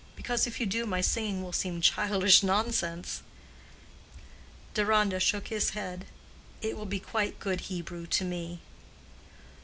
because if you do, my singing will seem childish nonsense." Deronda shook his head. "It will be quite good Hebrew to me."